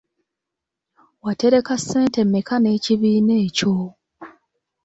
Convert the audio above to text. Watereka ssente mmeka n'ekibiina ekyo?